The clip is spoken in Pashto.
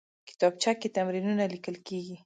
کتابچه کې تمرینونه لیکل کېږي